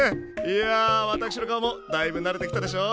いや私の顔もだいぶ慣れてきたでしょ？